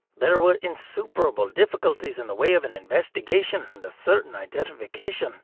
There were insuperable difficulties in the way of an investigation and a certain identification.